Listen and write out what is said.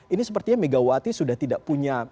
ini sepertinya megawati sudah tidak punya